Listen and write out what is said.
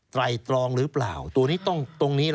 ไตรองหรือเปล่าตัวนี้ตรงนี้